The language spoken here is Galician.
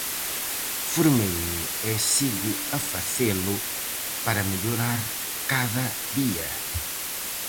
Formeime e sigo a facelo para mellorar cada día.